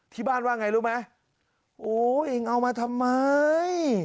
ที่บ้านว่าไงรู้ไหมโอ้เองเอามาทำไม